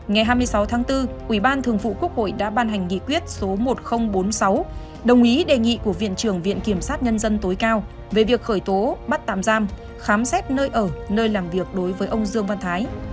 ngày hai mươi sáu tháng bốn ủy ban thường vụ quốc hội đã ban hành nghị quyết số một nghìn bốn mươi sáu đồng ý đề nghị của viện trưởng viện kiểm sát nhân dân tối cao về việc khởi tố bắt tạm giam khám xét nơi ở nơi làm việc đối với ông dương văn thái